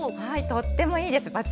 はいとってもいいです